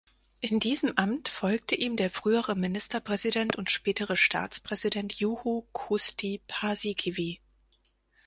In diesem Amt folgte ihm der frühere Ministerpräsident und spätere Staatspräsident Juho Kusti Paasikivi.